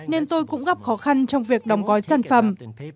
nên tôi cũng gặp khó khăn trong việc đóng gói sản phẩm